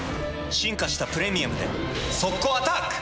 進化した「プレミアム」で速攻アタック！